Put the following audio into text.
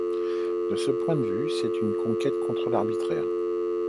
De ce point de vue, c'est une conquête contre l'arbitraire.